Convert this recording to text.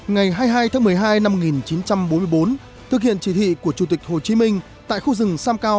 ngày hai mươi hai tháng một mươi hai năm một nghìn chín trăm bốn mươi bốn thực hiện chỉ thị của chủ tịch hồ chí minh tại khu rừng sam cao